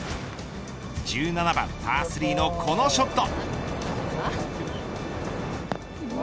１７番パー３のこのショット。